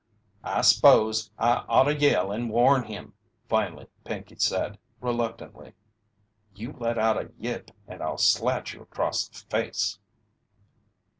"I s'pose I'd oughta yell and warn him," finally Pinkey said, reluctantly. "You let out a yip and I'll slat you across the face!"